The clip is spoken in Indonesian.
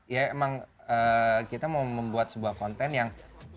ya emang kita mau membuat sebuah konten yang